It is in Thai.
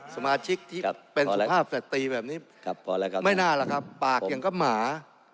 สมาชิกที่เป็นสุภาพสตรีแบบนี้ไม่น่าหรอกครับปากอย่างกับหมา